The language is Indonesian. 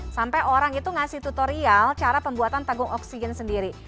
sampai orang itu ngasih tutorial cara pembuatan tabung oksigen sendiri